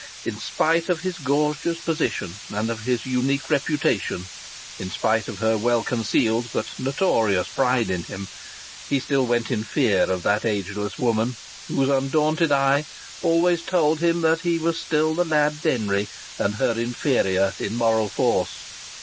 In spite of his gorgeous position and his unique reputation, in spite of her well concealed but notorious pride in him, he still went in fear of that ageless woman, whose undaunted eye always told him that he was still the lad Denry, and her inferior in moral force.